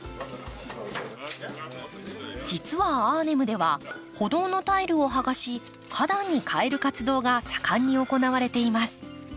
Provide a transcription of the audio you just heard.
実はアーネムでは歩道のタイルを剥がし花壇に替える活動が盛んに行われています。